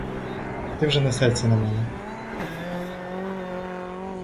Ти вже не сердься на мене.